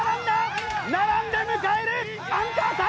並んで迎えるアンカー対決！